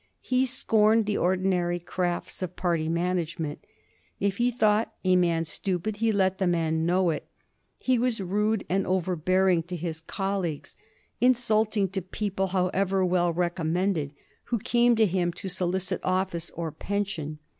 He scorned the ordinary crafts of party management. If he thought a man stupid he let the man know it. He was rude and overbearing to his colleagues ; insulting to people, how ever well recommended, who came to him to solicit office or pension.